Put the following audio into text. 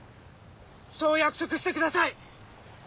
そう約束してください。